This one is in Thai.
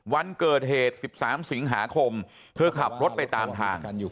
วันเกิดเหตุ๑๓สิงหาคมเธอขับรถไปตามทาง